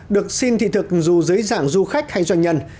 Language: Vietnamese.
được xin thị thực dù dưới dạng du khách hay doanh nhân